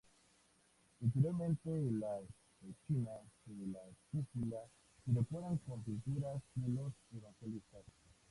Interiormente las pechinas de la cúpula se decoran con pinturas de los evangelistas.